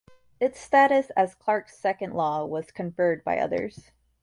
Its status as Clarke's second law was conferred by others.